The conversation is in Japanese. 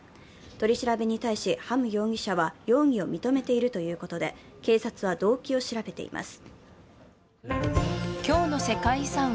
取り調べに対しハム容疑者は容疑を認めているということで警察は動機を調べています。